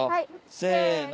せの。